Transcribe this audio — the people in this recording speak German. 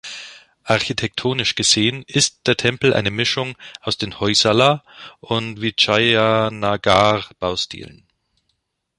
Architektonisch gesehen ist der Tempel eine Mischung aus den Hoysala- und Vijayanagar-Baustilen.